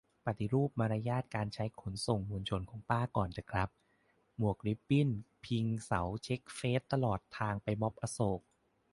ปฏิรูปมารยาทการใช้ขนส่งมวลชนของป้าก่อนเถอะครับ หมวกริบบิ้นพิงเสาเช็คเฟซตลอดทางไปม็อบอโศก